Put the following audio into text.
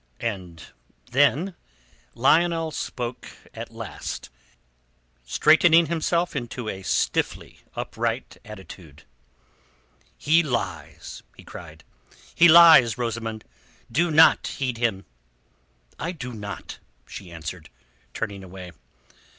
And then Lionel spoke at last, straightening himself into a stiffly upright attitude. "He lies!" he cried. "He lies, Rosamund! Do not heed him." "I do not," she answered, turning away.